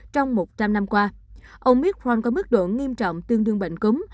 trong một trăm linh năm qua omicron có mức độ nghiêm trọng tương đương bệnh cúm